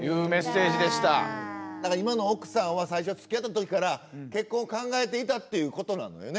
今の奥さんは最初つきあった時から結婚を考えていたっていうことなのよね。